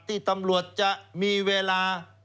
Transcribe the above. ที่ตำรวจจะมีเวลา